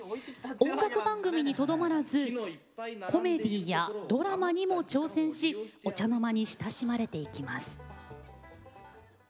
音楽番組にとどまらずコメディーやドラマにも挑戦しお茶の間に親しまれていきます。